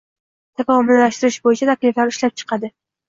takomillashtirish bo‘yicha takliflar ishlab chiqadi;